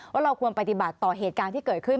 ว่าเราควรปฏิบัติต่อเหตุการณ์ที่เกิดขึ้น